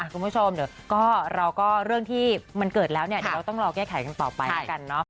คุณผู้ชมเรื่องที่มันเกิดแล้วเราต้องรอแก้ไขกันต่อไปกันเนอะ